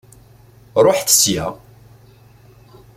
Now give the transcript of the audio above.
Ṛuḥet sya!